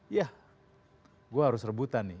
yah gue harus rebutan nih